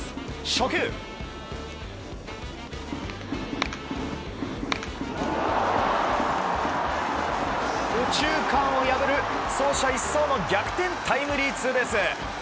初球、右中間を破る走者一掃の逆転タイムリーツーベース！